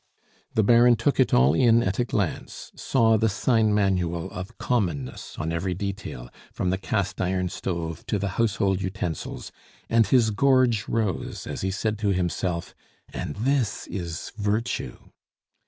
The Baron took it all in at a glance, saw the sign manual of commonness on every detail, from the cast iron stove to the household utensils, and his gorge rose as he said to himself, "And this is virtue!